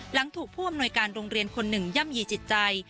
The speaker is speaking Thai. หลังถูกผู้อำนวยการโรงเรียนคนหนึ่งย่ำยีจิตใจ